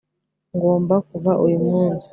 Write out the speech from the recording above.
ngomba kuva uyu munsi